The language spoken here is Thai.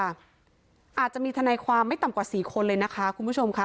อาจจะมีทนายความไม่ต่ำกว่า๔คนเลยนะคะคุณผู้ชมค่ะ